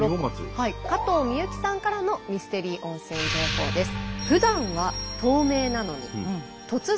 加藤美由紀さんからのミステリー温泉情報です。